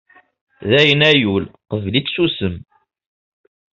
Dayen a yul qbel-itt sussem.